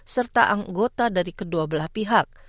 serta anggota dari kedua belah pihak